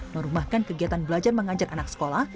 merumahkan kegiatan belajar mengajar anak sekolah